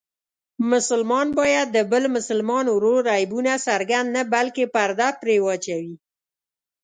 مسلمان باید د بل مسلمان ورور عیبونه څرګند نه بلکې پرده پرې واچوي.